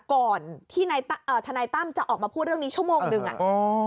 ก่อนที่ทนายตั้มจะออกมาพูดเรื่องนี้ชั่วโมงหนึ่ง